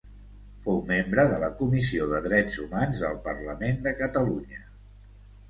Fou membre de la comissió de Drets Humans del Parlament de Catalunya.